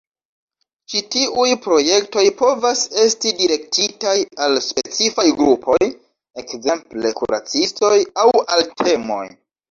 Ĉi tiuj projektoj povas esti direktitaj al specifaj grupoj (ekzemple kuracistoj) aŭ al temoj.